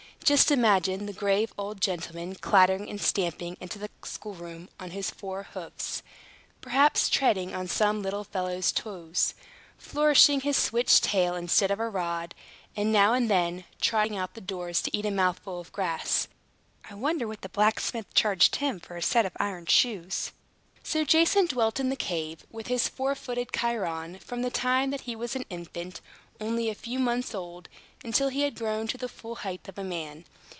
Just imagine the grave old gentleman clattering and stamping into the schoolroom on his four hoofs, perhaps treading on some little fellow's toes, flourishing his switch tail instead of a rod, and, now and then, trotting out of doors to eat a mouthful of grass! I wonder what the blacksmith charged him for a set of iron shoes? So Jason dwelt in the cave, with this four footed Chiron, from the time that he was an infant, only a few months old, until he had grown to the full height of a man.